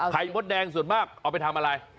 มดแดงส่วนมากเอาไปทำอะไร